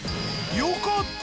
よかった！